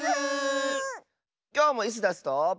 きょうもイスダスと。